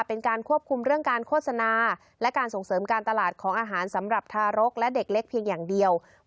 เป็นการควบคุมเรื่องการโฆษณาและการส่งเสริมการตลาดของอาหารสำหรับทารกและเด็กเล็กเพียงอย่างเดียว